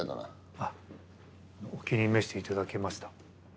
あっお気に召して頂けました？